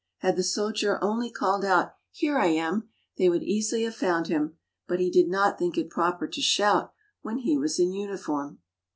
Had the soldier only called out, " here I am," they would easily have found him, but he did not think it proper to shout when he was in uniform.